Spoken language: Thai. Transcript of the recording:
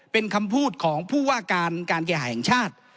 เป็นคำพูดของผู้ว่าการการแก่แห่งชาติ